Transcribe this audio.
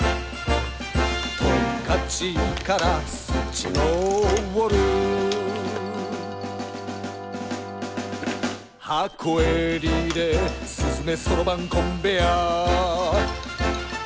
「トンカチからスチロールー」「箱へリレーすすめそろばんコンベア」